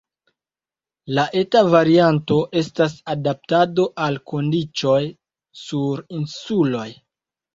La eta varianto estas adaptado al la kondiĉoj sur insuloj.